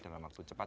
dalam waktu cepat